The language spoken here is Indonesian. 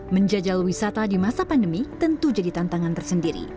menjajal wisata di masa pandemi tentu jadi tantangan tersendiri